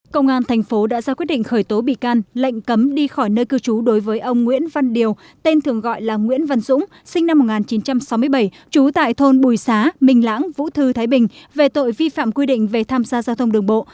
công an thành phố đã ra quyết định khởi tố bị can lệnh cấm đi khỏi nơi cư trú đối với ông nguyễn văn điều tên thường gọi là nguyễn văn dũng sinh năm một nghìn chín trăm sáu mươi bảy trú tại thôn bùi xá mình lãng vũ thư thái bình về tội vi phạm quy định về tham gia giao thông đường bộ